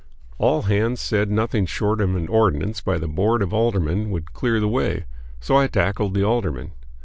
All hands said nothing short of an ordinance by the board of aldermen would clear the way; so I tackled the aldermen.